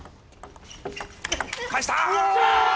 返した！